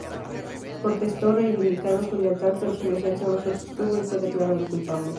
Protestó, reivindicado su lealtad pero su defensa no se sostuvo y fue declarado culpable.